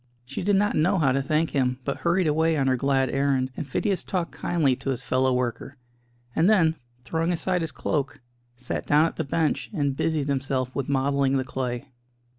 She did not know how to thank him, but hurried away on her glad errand, and Phidias talked kindly to his fellow worker, and then, throwing aside his cloak, sat down at the bench and busied himself with modelling the clay.